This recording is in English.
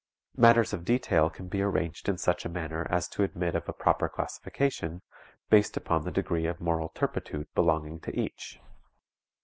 Matters of detail can be arranged in such a manner as to admit of a proper classification, based upon the degree of moral turpitude belonging to each.